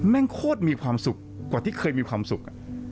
แม่งโคตรมีความสุขกว่าที่เคยมีความสุข